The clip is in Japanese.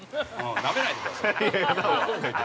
なめないでください。